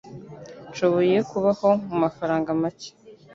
Nshoboye kubaho ku mafaranga make.